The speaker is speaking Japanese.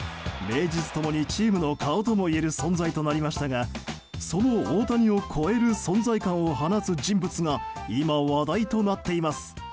名実共にチームの顔ともいえる存在となりましたがその大谷を超える存在感を放つ人物が今、話題となっています。